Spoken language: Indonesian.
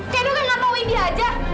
keduh kan gak tau indi aja